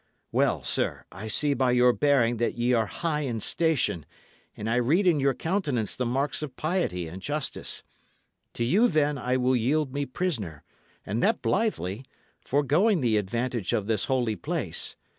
Well, sir, I see by your bearing that ye are high in station, and I read in your countenance the marks of piety and justice. To you, then, I will yield me prisoner, and that blithely, foregoing the advantage of this holy place.